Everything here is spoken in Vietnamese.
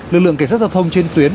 lực lượng cảnh sát giao thông trên tuyến